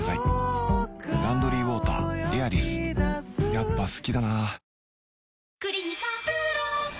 やっぱ好きだな